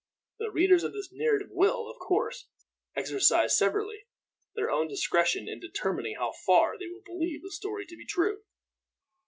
The readers of this narrative will, of course, exercise severally their own discretion in determining how far they will believe the story to be true.